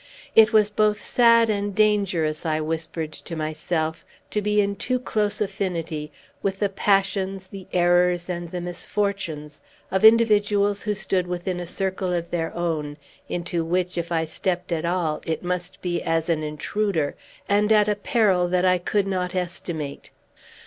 It was both sad and dangerous, I whispered to myself, to be in too close affinity with the passions, the errors, and the misfortunes of individuals who stood within a circle of their own, into which, if I stept at all, it must be as an intruder, and at a peril that I could not estimate.